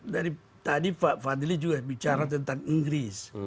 dari tadi pak fadli juga bicara tentang inggris